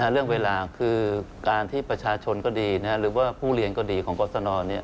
เรื่องเวลาคือการที่ประชาชนก็ดีหรือว่าผู้เรียนก็ดีของกรสน